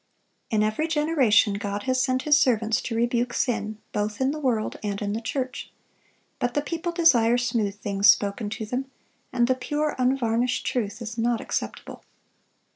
In every generation God has sent His servants to rebuke sin, both in the world and in the church. But the people desire smooth things spoken to them, and the pure, unvarnished truth is not acceptable.